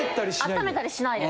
あっためたりしないで。